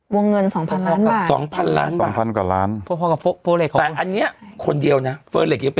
วงเงิน๒๐๐๐ล้านบาท